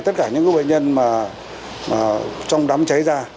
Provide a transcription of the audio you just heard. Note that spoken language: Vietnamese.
tất cả những bệnh nhân trong đám cháy ra